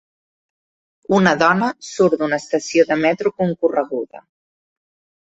Una dona surt d'una estació de metro concorreguda.